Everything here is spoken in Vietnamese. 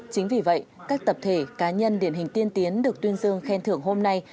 chính vì vậy các tập thể cá nhân điển hình tiên tiến được tuyên dương khen thưởng hôm nay